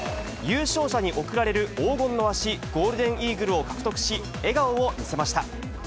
優勝者に贈られる黄金のワシ、ゴールデンイーグルを獲得し、笑顔を見せました。